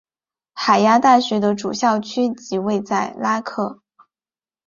海牙大学的主校区即位在拉克。